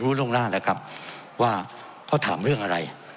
เขาถามเรื่องอะไร